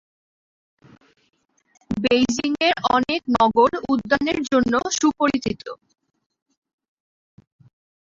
Beijing এর অনেক নগর-উদ্যানের জন্য সুপরিচিত।